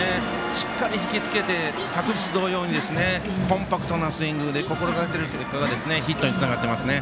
しっかり引き付けて、昨日同様にコンパクトなスイングを心がけていることがヒットにつながっていますね。